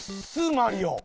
マリオ。